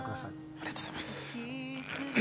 ありがとうございます。